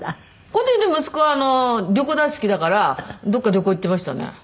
この時息子は旅行大好きだからどこか旅行行っていましたね。